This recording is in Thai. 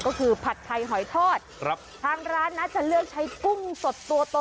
ก็คือผัดไทยหอยทอดครับทางร้านน่าจะเลือกใช้กุ้งสดตัวโต